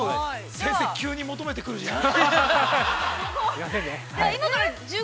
◆先生、急に求めてくるじゃん。